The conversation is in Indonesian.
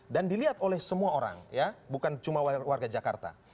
dan dilihat oleh semua orang bukan cuma warga jakarta